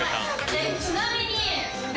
ちなみに。